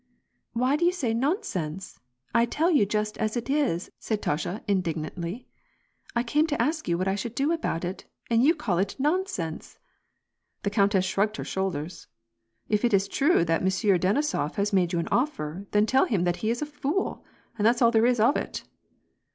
"Why do you say 'nonsense.' I tell you just as it is," said Natasha, indignantly. " I came to ask you what I should do about it, and you call it * nonsense.' " The countess shrugged her shoulders: ''If it is true that Monsieur Denisof has made you an offer, then tell him that he is a fool, and that's all there is of it